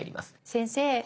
先生。